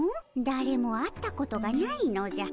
だれも会ったことがないのじゃ。